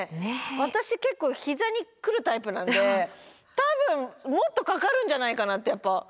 私結構膝にくるタイプなんで多分もっとかかるんじゃないかなってやっぱ思います。